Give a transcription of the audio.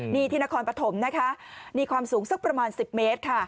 นี่ที่นครปฐมนะคะมีความสูงสักประมาณ๑๐เมตรค่ะ